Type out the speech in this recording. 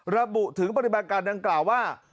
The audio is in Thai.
ระบุถึงปฏิบัติการดังกล่าวว่า